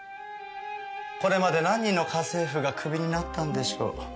これまで何人の家政婦がクビになったんでしょう。